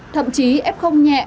thậm chí f nhẹ